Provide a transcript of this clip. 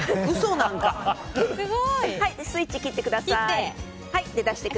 スイッチ切ってください。